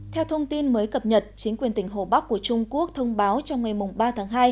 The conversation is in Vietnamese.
theo thông tin mới cập nhật chính quyền tỉnh hồ bắc của trung quốc thông báo trong ngày ba tháng hai